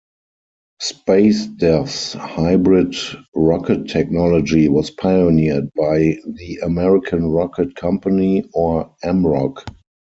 SpaceDev's hybrid rocket technology was pioneered by the American Rocket Company, or AmRoc.